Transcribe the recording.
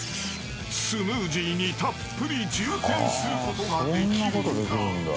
［スムージーにたっぷり充填することができるのだ］